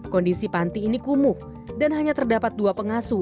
kondisi panti ini kumuh dan hanya terdapat dua pengasuh